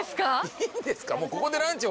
いいんですか？